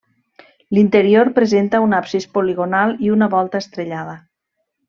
L'interior presenta un absis poligonal i una volta estrellada.